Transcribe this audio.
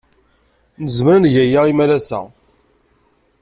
Nezmer ad neg aya imalas-a?